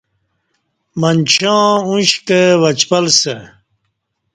منچاں ا ݩش کہ وچپل سہ